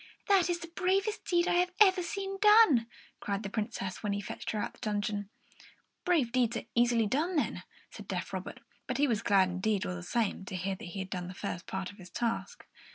"That is the bravest deed I have ever seen done!" cried the Princess, when he fetched her out of her dungeon. "Brave deeds are easily done, then," said deaf Robert; but he was glad enough, all the same, to hear that he had done the first part of his task.